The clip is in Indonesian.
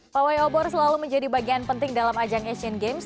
pawai obor selalu menjadi bagian penting dalam ajang asian games